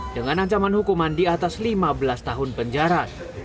dengan ancaman hukuman di atas lima belas tahun penjara